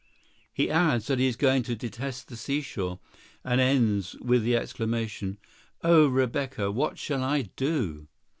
He adds that he is going to detest the seashore, and ends with the exclamation, "O Rebecca! What shall I do?"